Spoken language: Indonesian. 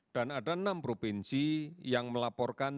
dan ada enam provinsi yang melaporkan